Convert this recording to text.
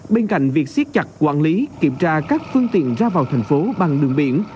bên cạnh việc siết chặt quản lý kiểm tra các phương tiện ra vào thành phố bằng đường biển